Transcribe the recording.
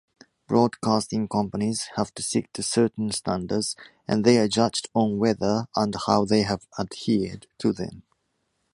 Broadcasting companies have to sick to certain standards and they are judged on whether and how they have adhered to them.